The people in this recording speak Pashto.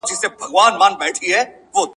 • چي لري دي لره ئې، چي لړي دي لړه ئې.